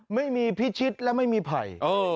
ไม่มีพิชิตและไม่มีไผ่